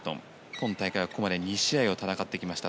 今大会はここまで２試合を戦ってきました。